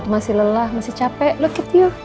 masih lelah masih capek look at you